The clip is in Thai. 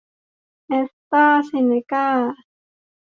แอสตร้าเซนเนก้า